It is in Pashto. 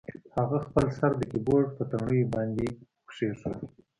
هغه خپل سر د کیبورډ په تڼیو باندې کیښود